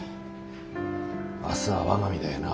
明日は我が身だよな。